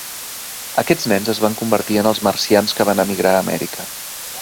Aquests nens es van convertir en els marcians que van emigrar a Amèrica.